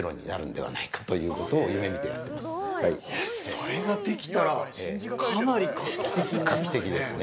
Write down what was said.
それができたらかなり画期的ですね。